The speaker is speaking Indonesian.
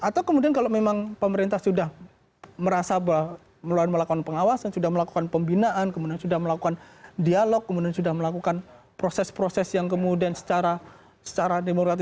atau kemudian kalau memang pemerintah sudah merasa bahwa melakukan pengawasan sudah melakukan pembinaan kemudian sudah melakukan dialog kemudian sudah melakukan proses proses yang kemudian secara demokratis